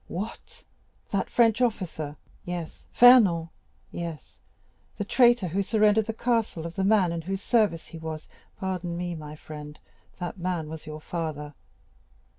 "What? That French officer——" "Yes." "Fernand?" "Yes." "The traitor who surrendered the castle of the man in whose service he was——" "Pardon me, my friend, that man was your father!"